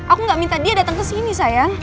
aku gak minta dia datang kesini sayang